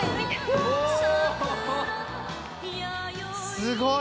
すごい。